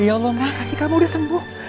ya allah ma kaki kamu sudah sembuh